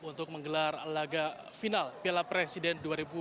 untuk menggelar laga final piala presiden dua ribu dua puluh